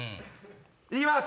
行きます。